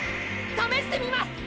試してみます！！